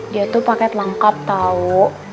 dia tuh paket lengkap tahu